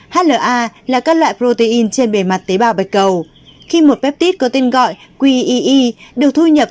hla là các loại protein trên bề mặt tế bào bạch cầu khi một bếp có tên gọi qee được thu nhập